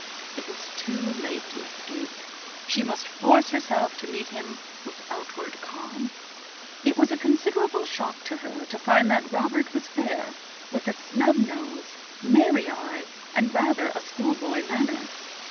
It was too late to escape; she must force herself to meet him with outward calm. It was a considerable shock to her to find that Robert was fair, with a snub nose, merry eye, and rather a schoolboy manner.